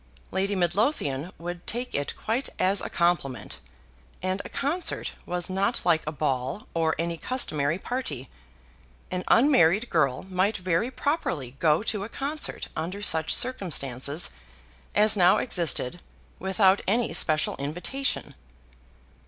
Lady Midlothian would take it quite as a compliment, and a concert was not like a ball or any customary party. An unmarried girl might very properly go to a concert under such circumstances as now existed without any special invitation.